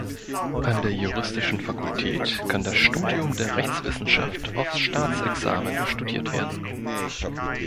An der juristischen Fakultät kann das Studium der Rechtswissenschaft auf Staatsexamen studiert werden.